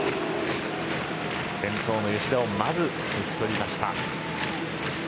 先頭の吉田をまず打ち取りました。